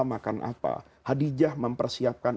makan apa khadijah mempersiapkan